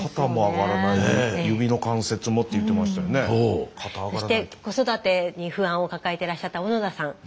そして子育てに不安を抱えてらっしゃった小野田さん。